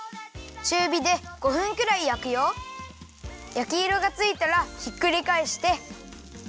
やきいろがついたらひっくりかえして。